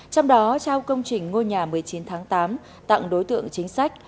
trong đó trao công trình ngôi nhà một mươi chín tháng tám tặng đối tượng chính sách